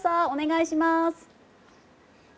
お願いします。